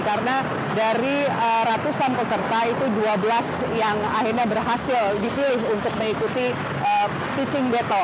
karena dari ratusan peserta itu dua belas yang akhirnya berhasil dipilih untuk mengikuti pitching beto